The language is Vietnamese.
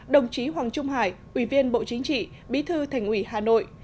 đồng chí hoàng trung hải ủy viên bộ chính trị bí thư thành ủy hà nội